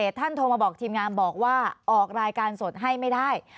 ท่านโทรมาบอกทีมงานบอกว่าออกรายการสดให้ไม่ได้